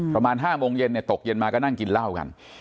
ประมาณ๕โมงเย็นตกเย็นมาก็นั่งกินเหล้ากัน